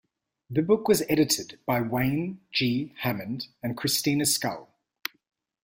The book was edited by Wayne G. Hammond and Christina Scull.